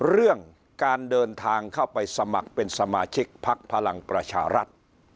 เรื่องการเดินทางเข้าไปสมัครเป็นสมาชิกพักพลังประชารัฐ